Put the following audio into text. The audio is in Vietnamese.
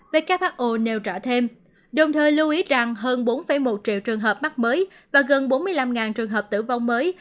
who nêu rõ thêm đồng thời lưu ý rằng hơn bốn một triệu trường hợp mắc mới và gần bốn mươi năm trường hợp tử vong mới